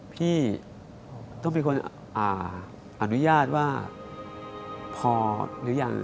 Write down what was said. พี่ต้องเป็นคนอนุญาตว่าพอหรือยัง